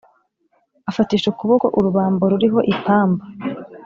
Afatisha ukuboko urubambo ruriho ipamba